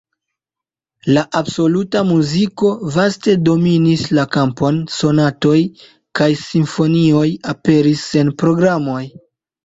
La absoluta muziko vaste dominis la kampon, sonatoj kaj simfonioj aperis sen programoj.